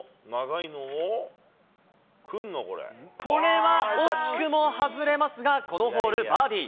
これは惜しくも外れますが、このホール、バーディー。